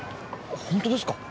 ホントですか？